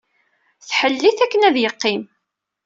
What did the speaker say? Tḥellel-it akken ad yeqqim.